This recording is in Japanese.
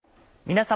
皆様。